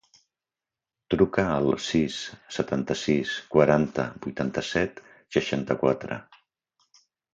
Truca al sis, setanta-sis, quaranta, vuitanta-set, seixanta-quatre.